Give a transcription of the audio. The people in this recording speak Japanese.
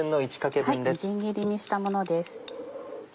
みじん切りにしたものです。